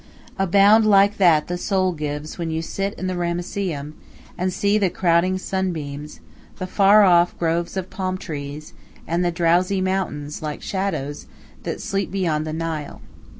A bound like that the soul gives when you sit in the Ramesseum, and see the crowding sunbeams, the far off groves of palm trees, and the drowsy mountains, like shadows, that sleep beyond the Nile.